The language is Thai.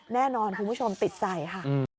แน่นอนคุณผู้ชมติดใจค่ะ